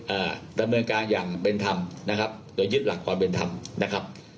เอ่อดำเมินการอย่างเป็นทำนะครับหรือยึดหลักกว่าเป็นทำนะครับ